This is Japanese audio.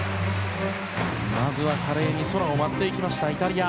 まずは、華麗に空を舞っていったイタリア。